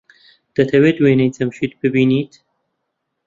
دەتەوێت وێنەی جەمشید ببینیت؟